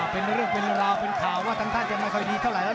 เป็นเรื่องเป็นราวเพื่อเผ่าท่านจะใหม่คอยทีเท่าไหร่นะ